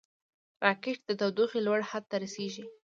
راکټ د تودوخې لوړ حد ته رسېږي